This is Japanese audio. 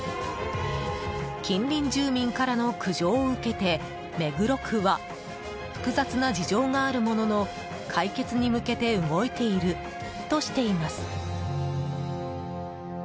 近隣住民からの苦情を受けて目黒区は複雑な事情があるものの解決に向けて動いているとしています。